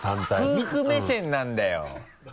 何か夫婦目線なんだよ。